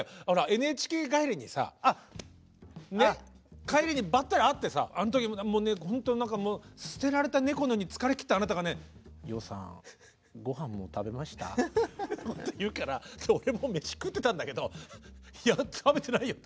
ＮＨＫ帰りにさ帰りにばったり会ってさあの時ほんとに何かもう捨てられた猫のように疲れきったあなたがねって言うから俺もう飯食ってたんだけど「いや食べてないよ」。